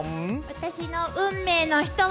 私の運命の人は。